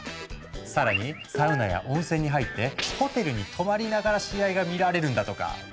更にサウナや温泉に入ってホテルに泊まりながら試合が見られるんだとか。